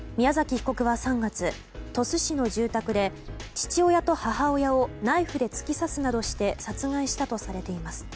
被告は３月鳥栖市の住宅で父親と母親をナイフで突き刺すなどして殺害したとされています。